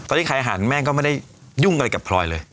ตอนนี้ขายอาหารแม่งก็ไม่ได้ยุ่งอะไรกับพลอยเลย